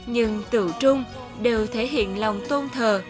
nhưng tự trung đều thể hiện lòng tôn thờ